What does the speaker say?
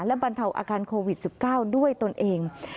และบรรเทาอาการโควิด๑๙ด้วยตนเอง